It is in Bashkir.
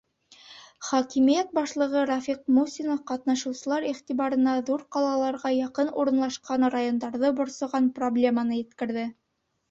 Хакимиәт башлығы Рафиҡ Мусин ҡатнашыусылар иғтибарына ҙур ҡалаларға яҡын урынлашҡан райондарҙы борсоған проблеманы еткерҙе.